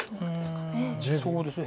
うんそうですね。